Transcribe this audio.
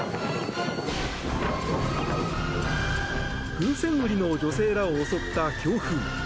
風船売りの女性らを襲った強風。